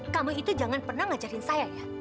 kamu itu jangan pernah ngajarin saya ya